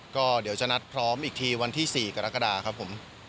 ก็เดี๋ยวจะนัดพร้อมอีกทีวันที่๔กรกฎาครับผม